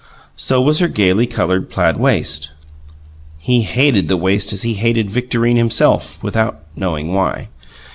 So was her gayly coloured plaid waist. He hated the waist as he hated Victorine herself, without knowing why.